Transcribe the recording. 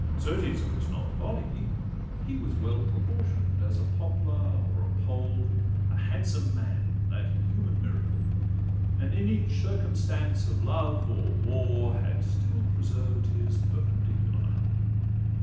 Certes it was not body; he was well Proportion'd, as a poplar or a pole, A handsome man, that human miracle; And in each circumstance of love or war Had still preserved his perpendicular.